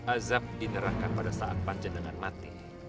azab diterahkan pada saat panjangan mati